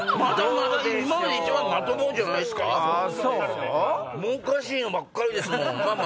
おかしいのばっかりですもん。